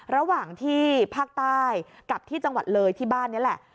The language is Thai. ระหว่างที่ภาคใต้กับที่จังหวัดเลยที่บ้านนี้แหละ